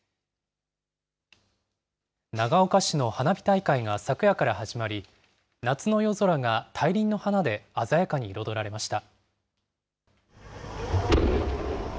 長岡市の花火大会が昨夜から始まり、夏の夜空が大輪の花で鮮やかに彩られました。